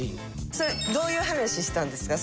それどういう話したんですか？